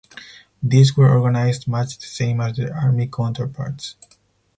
These were organized much the same as their Army counterparts.